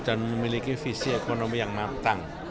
dan memiliki visi ekonomi yang matang